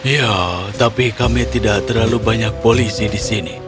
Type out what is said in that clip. ya tapi kami tidak terlalu banyak polisi di sini